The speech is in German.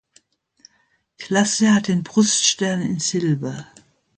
Klasse hat den Bruststern in Silber.